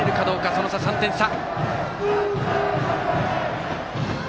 その差、３点差。